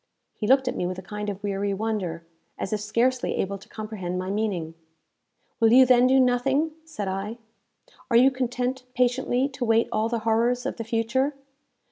He looked at me with a kind of weary wonder, as if scarcely able to comprehend my meaning. "Will you then do nothing?" said I. "Are you content patiently to await all the horrors of the future?